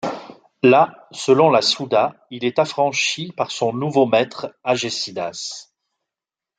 Là, selon la Souda, il est affranchi par son nouveau maître, Agésidas.